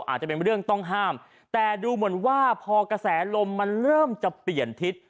อาจจะเป็นเรื่องต้องห้ามแต่ดูเหมือนว่าพอกระแสลมมันเริ่มจะเปลี่ยนทิศ